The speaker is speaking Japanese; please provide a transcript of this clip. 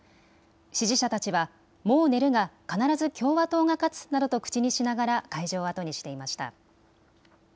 支持者たちは、もう寝るが、必ず共和党が勝つなどと口にしながら、会場を後にしていました。